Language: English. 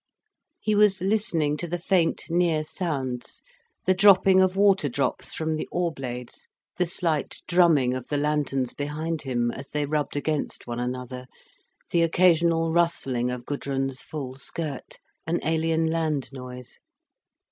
He was listening to the faint near sounds, the dropping of water drops from the oar blades, the slight drumming of the lanterns behind him, as they rubbed against one another, the occasional rustling of Gudrun's full skirt, an alien land noise.